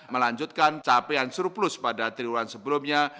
melanjutkan capaian surplus pada triwulan sebelumnya